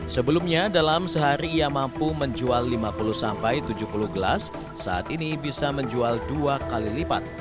sebelumnya dalam sehari ia mampu menjual lima puluh sampai tujuh puluh gelas saat ini bisa menjual dua kali lipat